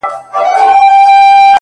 • شېخ سره وښورېدی زموږ ومخته کم راغی؛